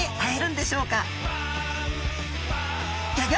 え？